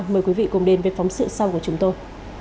mời quý vị cùng đến với phóng sự sau của chúng tôi